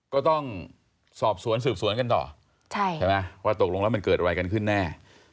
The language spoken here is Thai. ก็ต้องสอบสวนสืบสวนกันต่อใช่ไหมว่าตกลงแล้วมันเกิดอะไรกันขึ้นแน่